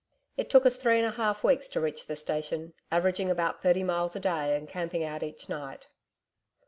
'It took us three and a half weeks, to reach the station, averaging about thirty miles a day and camping out each night.